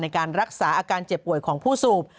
ในการรักษาอาการเจ็บป่วยของผู้สูบ